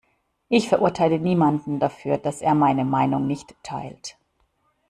Ich verurteile niemanden dafür, dass er meine Meinung nicht teilt.